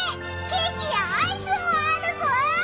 ケーキやアイスもあるぞ！